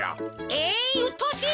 えいうっとうしい！